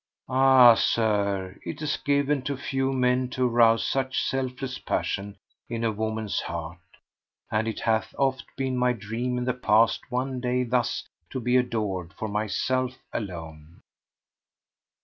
Ah, Sir, 'tis given to few men to arouse such selfless passion in a woman's heart, and it hath oft been my dream in the past one day thus to be adored for myself alone!